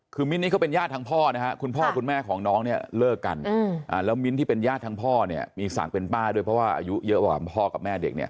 คือมิ้นนี่เขาเป็นญาติทั้งพ่อนะฮะคุณพ่อคุณแม่ของน้องเนี่ยเลิกกันแล้วมิ้นที่เป็นญาติทั้งพ่อเนี่ยมีศักดิ์เป็นป้าด้วยเพราะว่าอายุเยอะกว่าพ่อกับแม่เด็กเนี่ย